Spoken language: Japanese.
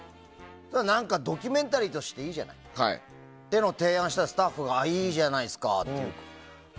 ドキュメンタリーとしていいじゃないというのを提案したらスタッフがいいじゃないですかって言うから。